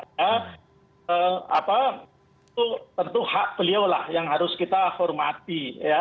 itu tentu hak beliau lah yang harus kita hormati